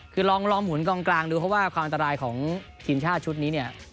คือลองหมุนกองกลางดูเพราะว่าความอันตรายของทีมชาติชุดนี้เนี่ย